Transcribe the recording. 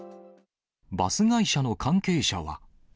バス会社の関係者は。